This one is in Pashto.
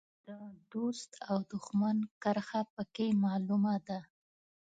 د دوست او دوښمن کرښه په کې معلومه ده.